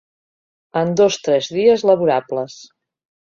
En dos-tres dies laborables.